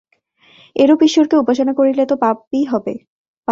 এরূপ ঈশ্বরকে উপাসনা করিলে তো পাপই হইবে।